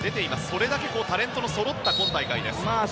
それだけタレントのそろった今大会です。